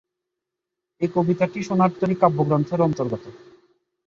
এই কবিতাটি "সোনার তরী" কাব্যগ্রন্থের অন্তর্গত।